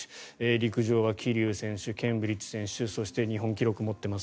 陸上は桐生選手ケンブリッジ選手そして日本記録を持っています